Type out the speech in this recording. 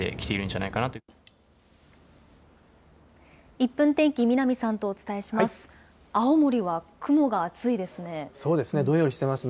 １分天気、南さんとお伝えします。